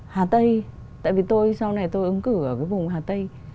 hà tây tại vì tôi sau này tôi ứng cử ở cái vùng hà tây